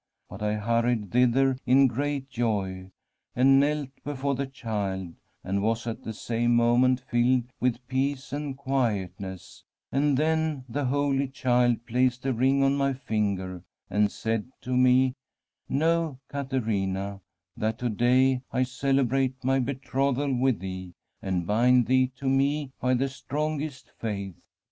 But I hurried thither in great joy, and knelt before the Child, and was at the same moment filled with peace and quietness, and then the Holy Child placed a ring on my finger, and said to me, " Know, Caterina, that to day I celebrate My betrothal with thee, and bind thee to Me by the strongest faith."